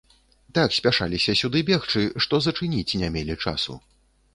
Так спяшаліся сюды бегчы, што зачыніць не мелі часу.